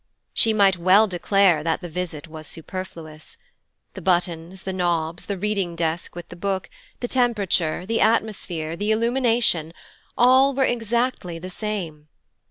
She might well declare that the visit was superfluous. The buttons, the knobs, the reading desk with the Book, the temperature, the atmosphere, the illumination all were exactly the same.